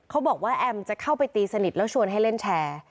เขาบอกว่าแอมจะเข้าไปตีสนิทแล้วชวนให้เล่นแชร์